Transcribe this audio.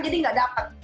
jadi nggak dapat